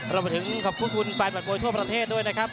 เรามาถึงขอบคุณฝ่ายบัตรโมยทั่วประเทศด้วยนะครับ